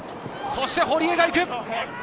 そして堀江が行く！